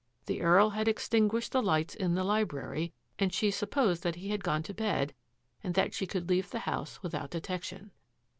The Earl had extinguished the lights in the library, and she supposed that he had gone to bed and that she could leave the house without detection.